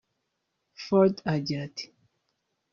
Ford agira ati